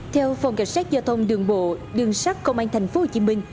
theo phòng cảnh sát giao thông đường bộ đường sắt công an tp hcm